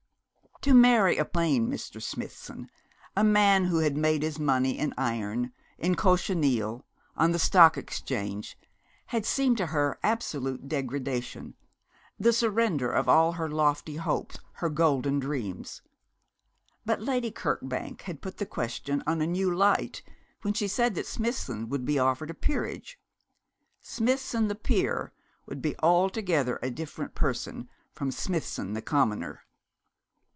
To marry a plain Mr. Smithson a man who had made his money in iron in cochineal on the Stock Exchange had seemed to her absolute degradation, the surrender of all her lofty hopes, her golden dreams. But Lady Kirkbank had put the question in a new light when she said that Smithson would be offered a peerage. Smithson the peer would be altogether a different person from Smithson the commoner.